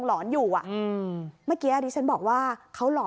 พอหลังจากเกิดเหตุแล้วเจ้าหน้าที่ต้องไปพยายามเกลี้ยกล่อม